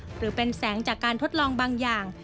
หรือเป็นแสงจากการทดลองบางอย่าง